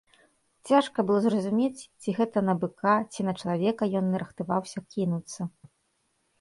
Цяжка было зразумець, ці гэта на быка, ці на чалавека ён нарыхтаваўся кінуцца.